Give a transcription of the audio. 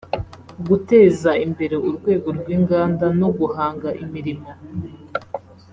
guteza imbere urwego rw’inganda no guhanga imirimo